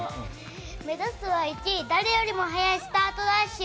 目指すは１位誰よりも速いスタートダッシュ！